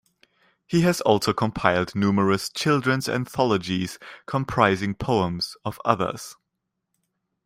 He has also compiled numerous children's anthologies comprising poems of others.